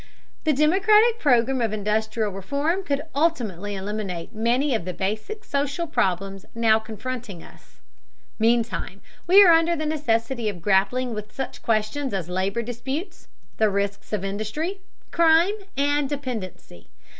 The democratic program of industrial reform could ultimately eliminate many of the basic social problems now confronting us; meantime we are under the necessity of grappling with such questions as labor disputes, the risks of industry, crime, and dependency.